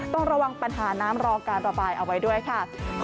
ต้องระวังปัญหาน้ำรอการระบายเอาไว้ด้วยค่ะ